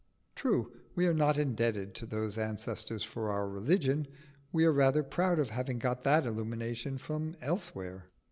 True, we are not indebted to those ancestors for our religion: we are rather proud of having got that illumination from elsewhere.